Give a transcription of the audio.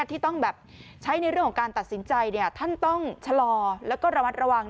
เราไม่ต้องใช้ในเรื่องของการตัดสินใจท่านต้องฉลอและระวัง